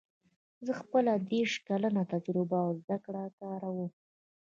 زه خپله دېرش کلنه تجربه او زده کړه کاروم